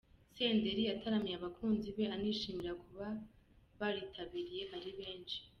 Senderi yataramiye abakunzi be anishimira kuba baritabiriye ari benshi.